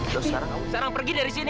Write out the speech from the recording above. loh sekarang kamu pergi dari sini